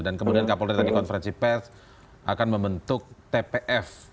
dan kemudian kapolri tadi konferensi pes akan membentuk tpf